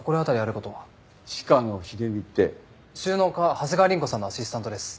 収納家長谷川凛子さんのアシスタントです。